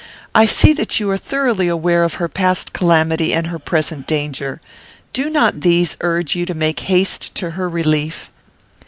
I see that you are thoroughly aware of her past calamity and her present danger. Do not these urge you to make haste to her relief?